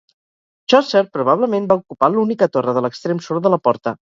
Chaucer probablement va ocupar l'única torre de l'extrem sur de la porta.